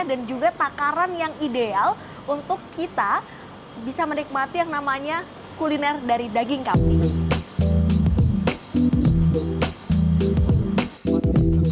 dan juga takaran yang ideal untuk kita bisa menikmati yang namanya kuliner dari daging kambing